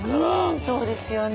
うんそうですよね。